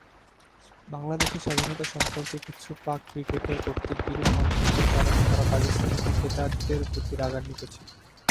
বাংলাদেশের স্বাধীনতা সম্পর্কে কিছু পাক ক্রিকেটার কর্তৃক বিরূপ মন্তব্যের কারণে তারা পাকিস্তানি ক্রিকেটারদের উপর রাগান্বিত ছিল।